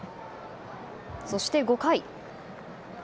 そして５回。